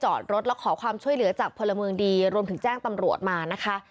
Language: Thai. จอดรถแล้วขอความช่วยเหลือจากพลเมืองดีรวมถึงแจ้งตำรวจมานะคะ